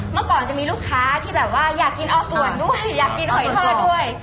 เมื่อก่อนจะมีลูกค้าที่แบบว่าอยากกินออสวนด้วยอยากกินหอยทอดด้วย